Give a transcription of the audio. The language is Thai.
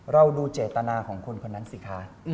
เราดูเจตนาของคนคนนั้นสิคะ